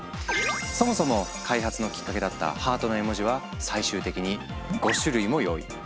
そもそも開発のきっかけだったハートの絵文字は最終的に５種類も用意。